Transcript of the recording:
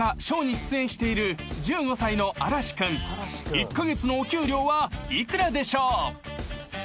［１カ月のお給料は幾らでしょう？］